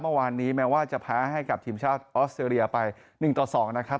เมื่อวานนี้แม้ว่าจะแพ้ให้กับทีมชาติออสเตรเลียไป๑ต่อ๒นะครับ